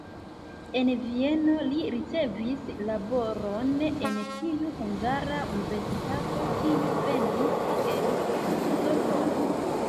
En Vieno li ricevis laboron en tiu hungara universitato, kiu venis el Sopron.